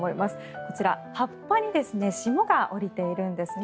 こちら、葉っぱに霜が降りているんですね。